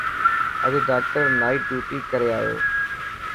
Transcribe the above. اڄ ڊاڪٽر نائٽ ڊيوٽي ڪري آيو.